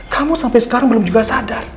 kamu sampai sekarang belum juga sadar